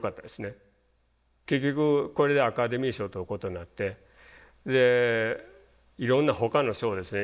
結局これでアカデミー賞取ることになってでいろんなほかの賞ですね